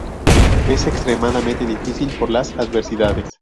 Es extremadamente difícil por las adversidades.